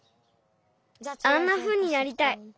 あんなふうになりたい。